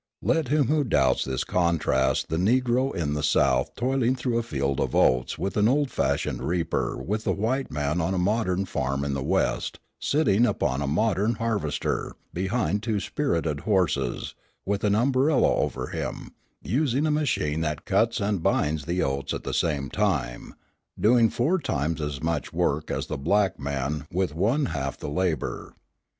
Let him who doubts this contrast the Negro in the South toiling through a field of oats with an old fashioned reaper with the white man on a modern farm in the West, sitting upon a modern "harvester," behind two spirited horses, with an umbrella over him, using a machine that cuts and binds the oats at the same time, doing four times as much work as the black man with one half the labour.